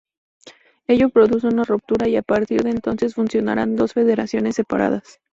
Ello produce una ruptura y a partir de entonces funcionarán dos federaciones separadas.